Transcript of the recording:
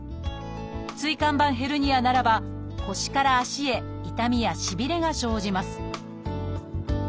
椎間板ヘルニアならば腰から足へ痛みやしびれが生じます